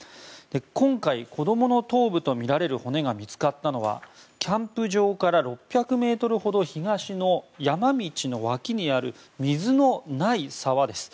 今回、子どもの頭部とみられる骨が見つかったのはキャンプ場から６００ｍほど東の山道の脇にある水のない沢です。